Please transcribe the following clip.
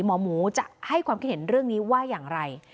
หมอหมูจะให้ความคิดเห็นเรื่องนี้ว่าอย่างไร